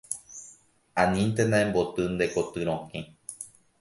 Aníntena emboty nde koty rokẽ.